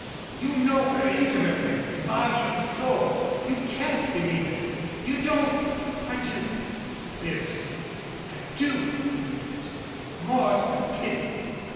You know her intimately body and soul. You can't believe it. You don't " "I do," fiercely. "I do believe it more's the pity."